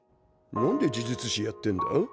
なんで呪術師やってんだ？